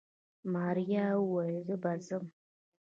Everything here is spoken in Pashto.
ماريا وويل زه به ځم.